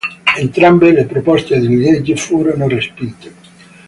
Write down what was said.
Entrambe le proposte di legge furono respinte.